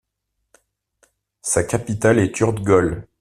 Sa capitale est Urdgol.